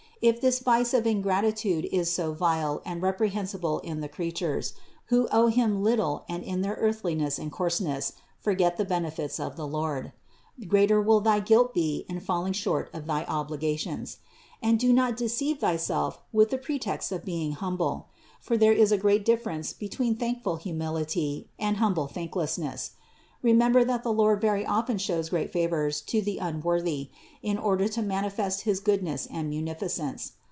If this vice of ingrati tude is so vile and reprehensible in the creatures, who owe Him little and in their earthliness and coarseness, forget the benefits of the Lord ; greater will thy guilt be in fall ing short of thy obligations. And do not deceive thyself with the pretext of being humble; for there is a great difference between thankful humility and humble thank lessness. Remember that the Lord very often shows great favors to the unworthy, in order to manifest his goodness and munificence.